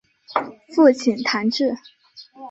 父亲谭智。